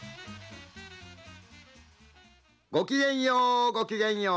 「ごきげんようごきげんよう。